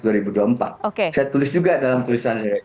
saya tulis juga dalam tulisan saya